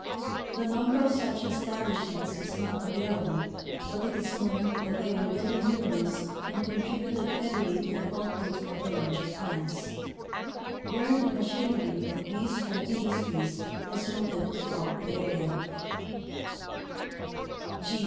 The number of such establishments is not avail able, but it is known that they were very numerous and contributed heavily to the output of the larger plants. Burned machinery of these home industries was noted throughout the area.